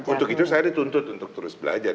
untuk itu saya dituntut untuk terus belajar